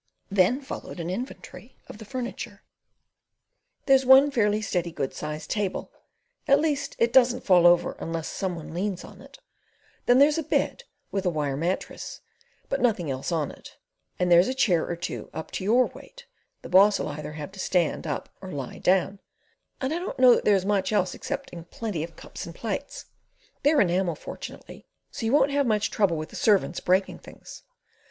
Then followed an inventory of the furniture. "There's one fairly steady, good sized table at least it doesn't fall over, unless some one leans on it; then there's a bed with a wire mattress, but nothing else on it; and there's a chair or two up to your weight (the boss'll either have to stand up or lie down), and I don't know that there's much else excepting plenty of cups and plates—they're enamel, fortunately, so you won't have much trouble with the servants breaking things.